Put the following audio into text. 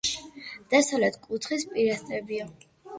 დასავლეთით კუთხის პილასტრებია.